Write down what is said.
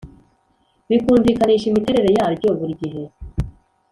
bikumvikanisha imiterere yaryo burigihe